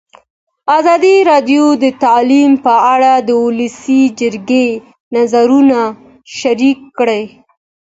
ازادي راډیو د تعلیم په اړه د ولسي جرګې نظرونه شریک کړي.